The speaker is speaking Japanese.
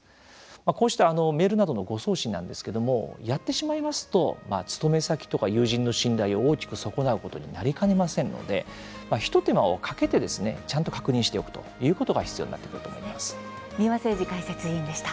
こうしたメールなどの誤送信なんですけれどもやってしまいますと勤め先とか友人の信頼を大きく損なうことになりかねませんので一手間をかけて、ちゃんと確認しておくということが三輪誠司解説委員でした。